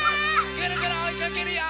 ぐるぐるおいかけるよ！